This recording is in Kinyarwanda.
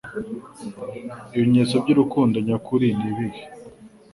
Ibimenyetso by'urukundo nyakuri ni ibihe